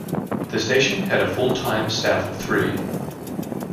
The station had a full-time staff of three.